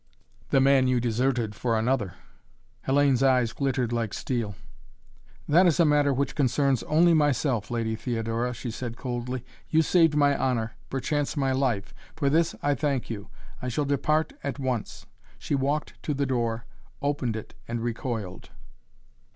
"The man you deserted for another." Hellayne's eyes glittered like steel. "That is a matter which concerns only myself, Lady Theodora," she said coldly. "You saved my honor perchance my life. For this I thank you. I shall depart at once." She walked to the door, opened it and recoiled.